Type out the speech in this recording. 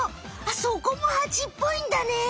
そこもハチっぽいんだね！